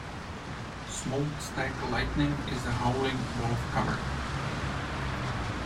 "Smokestack Lightning" is a Howlin' Wolf cover.